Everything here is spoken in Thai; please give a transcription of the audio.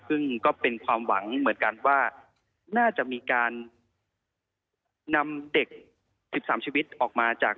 ซึ่งก็เป็นความหวังเหมือนกันว่าน่าจะมีการนำเด็ก๑๓ชีวิตออกมาจาก